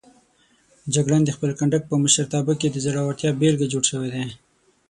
جګړن د خپل کنډک په مشرتابه کې د زړورتیا بېلګه جوړ شوی دی.